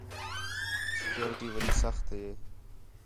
سیکیورٹی وݙّی سخت ہے